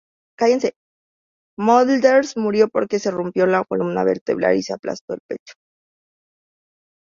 Mölders murió porque se rompió la columna vertebral y se aplastó el pecho.